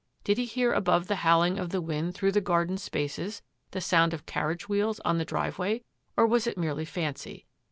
Did he hear above the howling of the wind through the garden spaces the sound of carriage wheels on the driveway, or was it merely fancy?